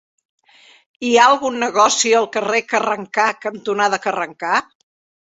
Hi ha algun negoci al carrer Carrencà cantonada Carrencà?